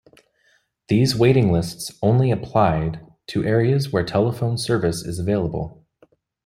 These waiting lists only applied to areas where telephone service is available.